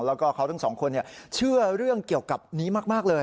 แล้วก็เขาทั้งสองคนเชื่อเรื่องเกี่ยวกับนี้มากเลย